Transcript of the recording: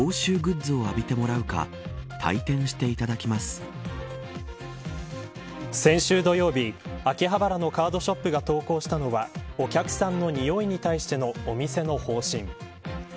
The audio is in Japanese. トーンアップ出た先週土曜日、秋葉原のカードショップが投稿したのはお客さんの臭いに対してのお店の方針。